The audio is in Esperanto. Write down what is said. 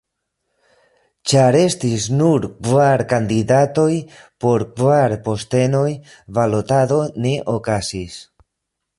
Ĉar estis nur kvar kandidatoj por kvar postenoj, balotado ne okazis.